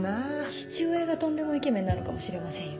父親がトンデモイケメンなのかもしれませんよ。